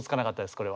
これは。